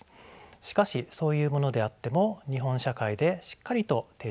しかしそういうものであっても日本社会でしっかりと定着しています。